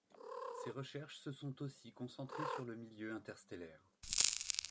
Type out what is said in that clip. Ses recherches se sont aussi concentrées sur le milieu interstellaire.